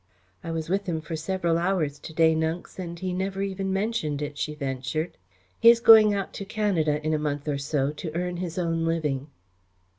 "I was with him for several hours to day, Nunks, and he never even mentioned it," she ventured. "He is going out to Canada in a month or so to earn his own living."